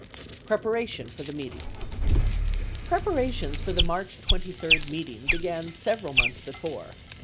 Preparation for the Meeting Preparations for the March 23 meeting began several months before.